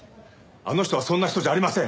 あの人はそんな人じゃありません。